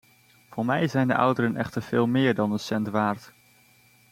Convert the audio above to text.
Voor mij zijn de ouderen echter veel meer dan een cent waard.